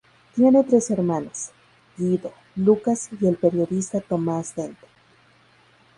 Tiene tres hermanos: Guido, Lucas y el periodista Tomás Dente.